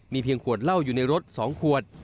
เพียงขวดเหล้าอยู่ในรถ๒ขวด